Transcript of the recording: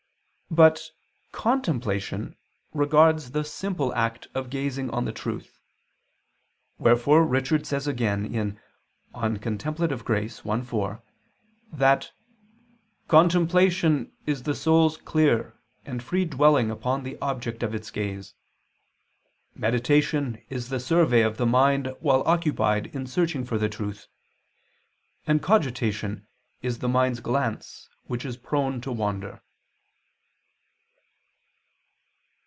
But "contemplation" regards the simple act of gazing on the truth; wherefore Richard says again (De Grat. Contempl. i, 4) that "contemplation is the soul's clear and free dwelling upon the object of its gaze; meditation is the survey of the mind while occupied in searching for the truth: and cogitation is the mind's glance which is prone to wander."